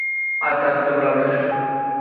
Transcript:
আর তাহাতে ধর্মের লাভ যথেষ্ট।